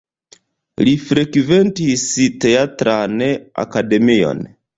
Li frekventis Teatran Akademion.